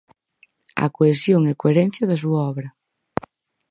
A cohesión e coherencia da súa obra.